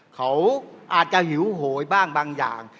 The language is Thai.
เขาอาจจะหิวโหยบ้างบางอย่าง